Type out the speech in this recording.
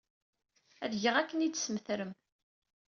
Ad geɣ akken ay d-tesmetrem.